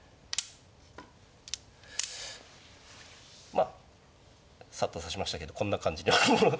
まあサッと指しましたけどこんな感じでもう。